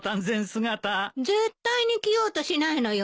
絶対に着ようとしないのよ。